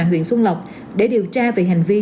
huyện xuân lộc để điều tra về hành vi